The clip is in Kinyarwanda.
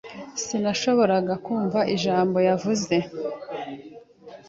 Sinashoboraga kumva ijambo yavuze